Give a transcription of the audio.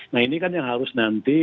nah ini kan yang harus nanti